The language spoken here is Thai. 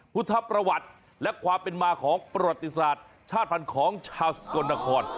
พุทธประวัติและความเป็นมาของประวัติศาสตร์ชาติพันธุ์ของชาวสกลนคร